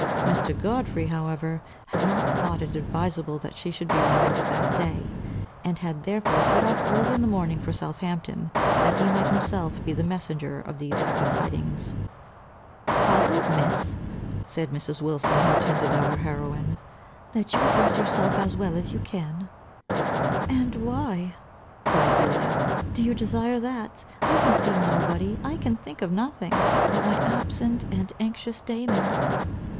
Mr. Godfrey however had not thought it adviseable that she should be removed that day, and had therefore set off early in the morning for Southampton, that he might himself be the messenger of these happy tidings. "I hope Miss," said Mrs. Wilson, who attended our heroine, "that you will dress yourself as well as you can." "And why" cried Delia, "do you desire that? I can see nobody, I can think of nothing, but my absent and anxious Damon."